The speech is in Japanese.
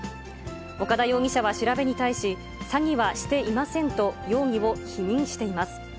岡田容疑者は調べに対し、詐欺はしていませんと容疑を否認しています。